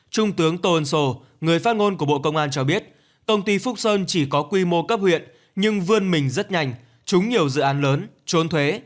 trung tướng tô ân sô người phát ngôn của bộ công an cho biết công ty phúc sơn chỉ có quy mô cấp huyện nhưng vươn mình rất nhanh trúng nhiều dự án lớn trốn thuế